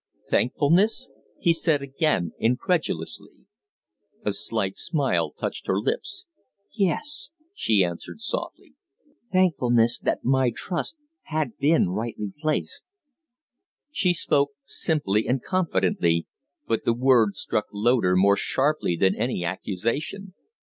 "Thankfulness?" he said again, incredulously. A slight smile touched her lips. "Yes," she answered, softly. "Thankfulness that my trust had been rightly placed." She spoke simply and confidently, but the words struck Loder more sharply than any accusation.